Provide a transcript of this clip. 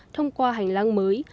thông qua hành lang mới